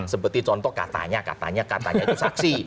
seperti contoh katanya katanya itu saksi